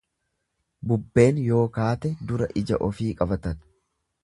Bubbeen yoo kaate dura ija ofii qabatan.